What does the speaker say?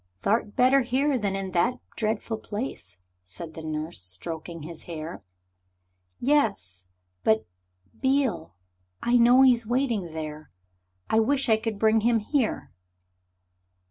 "Thou'rt better here than in that dreadful place," said the nurse, stroking his hair. "Yes but Beale. I know he's waiting there. I wish I could bring him here."